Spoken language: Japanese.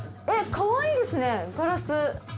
かわいいですねガラス。